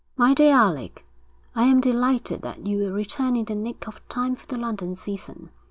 My Dear Alec: _I am delighted that you will return in the nick of time for the London season.